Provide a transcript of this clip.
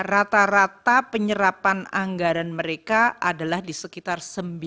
rata rata penyerapan anggaran mereka adalah di sekitar sembilan puluh lima